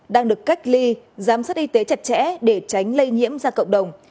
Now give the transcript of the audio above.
đang được cách ly giám sát y tế chặt chẽ để tránh lây nhiễm ra cộng đồng